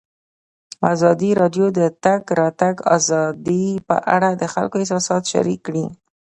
ازادي راډیو د د تګ راتګ ازادي په اړه د خلکو احساسات شریک کړي.